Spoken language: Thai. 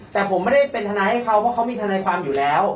แต่ผมไม่ได้เป็นทนายให้เขาเพราะเขามีทนายความอยู่แล้ว